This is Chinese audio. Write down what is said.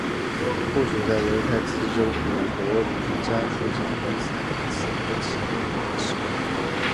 部署在犹太自治州比罗比詹附近的塞米斯托齐内伊市。